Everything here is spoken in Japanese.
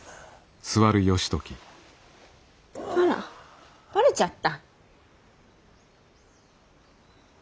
あらばれちゃった。